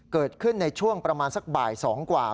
เกิดขึ้นในช่วงประมาณสักบ่าย๒กว่า